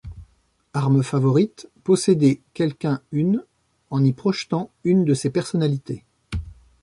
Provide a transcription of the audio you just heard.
armes favorites : posséder quelqu’un-e en y projetant une de ses personnalités.